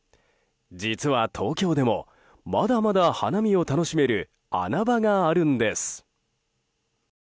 実は東京でも、まだまだ花見を楽しめる穴場があるんです。